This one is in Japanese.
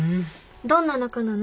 どんな仲なの？